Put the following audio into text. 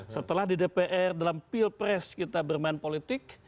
setelah di dpr dalam pilpres kita bermain politik